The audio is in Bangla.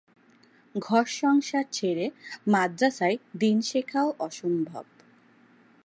ঘরসংসার ছেড়ে মাদ্রাসায় দ্বীন শেখাও অসম্ভব।